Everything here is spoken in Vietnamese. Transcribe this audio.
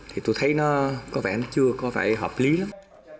thì tôi thấy nó có vẻ nó chưa có phải hợp lý lắm